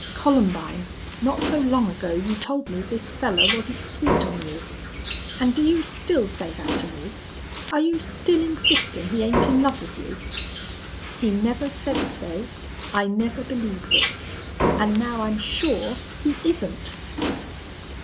"Columbine, not so long ago you told me this fellar wasn't sweet on you. An' do you still say that to me are you still insistin' he ain't in love with you?" "He never said so I never believed it ... and now I'm sure he isn't!"